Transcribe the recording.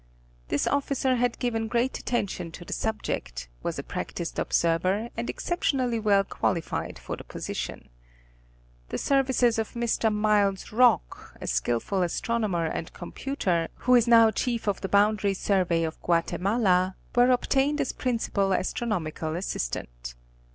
This officer had given great attention to the subject, was a practiced observer, and exceptionally well qualified for the position. The services of Mr. Miles Rock, a skillful astronomer and computer who is now chief of the boundary survey of Guatemala, were obtained as principal astronomical assistant.